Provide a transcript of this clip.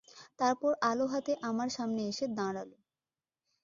তারপর আলো হাতে আমার সামনে এসে দাঁড়াল।